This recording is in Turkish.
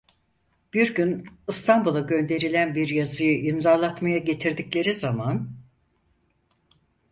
Bir gün İstanbul'a gönderilen bir yazıyı imzalatmaya getirdikleri zaman: